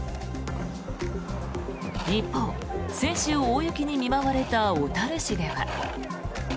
一方、先週大雪に見舞われた小樽市では。